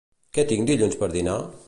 Què tinc dilluns per dinar?